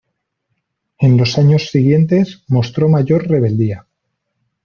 En los años siguientes mostró mayor rebeldía.